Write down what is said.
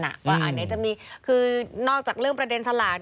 อันว่าอันไหนจะมีคือนอกจากเรื่องประเด็นสลาก